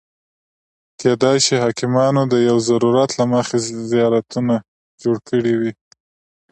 کېدای شي حاکمانو د یو ضرورت له مخې زیارتونه جوړ کړي وي.